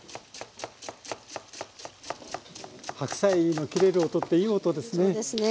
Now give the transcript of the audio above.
白菜の切れる音っていい音ですね。